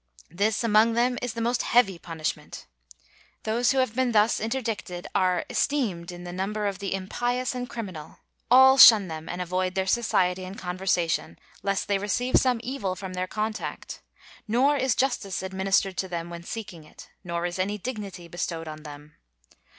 This among them is the most heavy punishment. Those who have been thus interdicted are esteemed in the number of the impious and criminal: all shun them, and avoid their society and conversation, lest they receive some evil from their contact; nor is justice administered to them when seeking it, nor is any dignity bestowed on them.